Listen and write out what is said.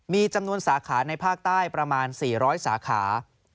มีจำนวนสาขาในภาคใต้ประมาณ๔๐๐สาขา